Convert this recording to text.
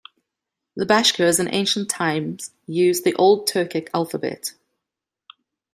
The Bashkirs in ancient times used the Old Turkic alphabet.